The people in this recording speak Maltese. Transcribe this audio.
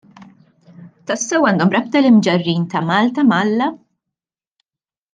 Tassew għandhom rabta l-Imġarrin ta' Malta ma' Alla?